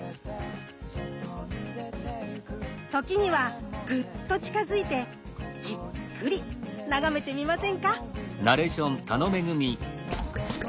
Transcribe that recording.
時にはグッと近づいてじっくり眺めてみませんか。